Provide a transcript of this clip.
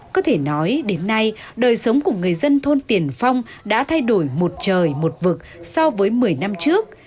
có thể nói đến nay đời sống của người dân thôn tiền phong đã thay đổi một trời một vực so với một mươi năm trước